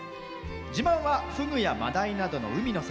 自慢はフグや真ダイなどの海の幸。